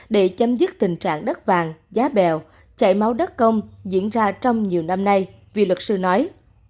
để chấm dứt tình trạng đất vàng giá bèo chảy máu đất công diễn ra trong nhiều năm nay vì luật sư nói